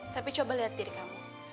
tapi coba lihat diri kamu